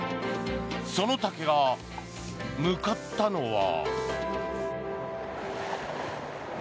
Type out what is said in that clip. その竹が向かったのは。